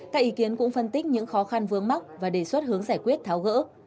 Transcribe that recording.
các ý kiến cũng phân tích những khó khăn vướng mắt và đề xuất hướng giải quyết tháo gỡ